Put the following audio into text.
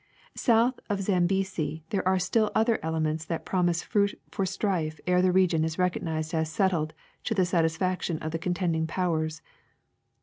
South of the Zambesi there are still other elements that promise fruit for strife ere the region is recognized as settled to the satis faction of the contending powers.